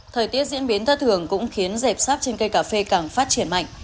thời tiết diễn biến thơ thường cũng khiến dẹp sáp trên cây cà phê càng phát triển mạnh